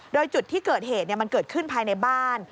โดยจุดที่เกิดเหตุมันเกิดขึ้นภายในบ้าน